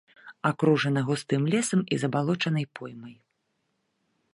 Акружана густым лесам і забалочанай поймай.